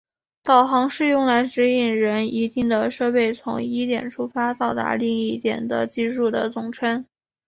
导航是用来指引人一定的设备从一点出发到达另一点的技术的总称。